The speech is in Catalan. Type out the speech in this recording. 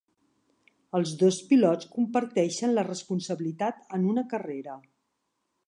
Els dos pilots comparteixen la responsabilitat en una carrera.